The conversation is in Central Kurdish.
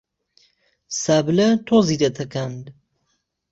سابلە تۆزی دەتەکاند